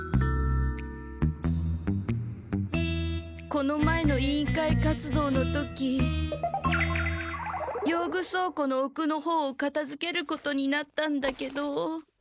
この前の委員会活動の時用具倉庫のおくのほうをかたづけることになったんだけど。